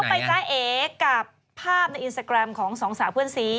คนไหนน่ะจ้าเอกกับภาพในอินสตาแกรมของ๒สาวเพื่อนซี